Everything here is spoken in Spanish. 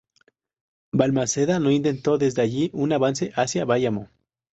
Valmaseda no intentó desde allí un avance hacia Bayamo.